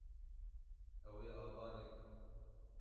Ew ê ava nekin.